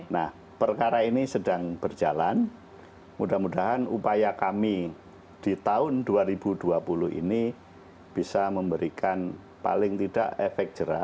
nah perkara ini sedang berjalan mudah mudahan upaya kami di tahun dua ribu dua puluh ini bisa memberikan paling tidak efek jerah